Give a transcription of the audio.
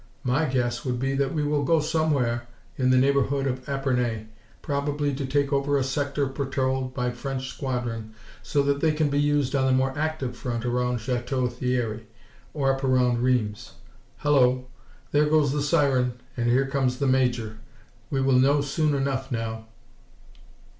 My guess would be that we will go somewhere in the neighborhood of Epernay probably to take over a sector patrolled by a French squadron so that they can be used on the more active front around Chateau Thierry or up around Rheims. Hullo! There goes the siren and here comes the Major. We will know soon enough now."